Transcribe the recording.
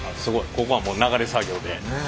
ここはもう流れ作業で。